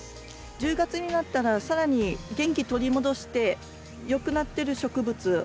１０月になったら更に元気取り戻してよくなってる植物